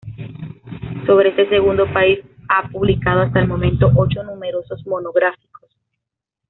Sobre este segundo país ha publicado hasta el momento ocho números monográficos.